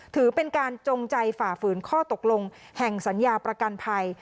ถือเป็นการจงใจฝ่าฝืนข้อตกลงแห่งสัญญาประกันภัย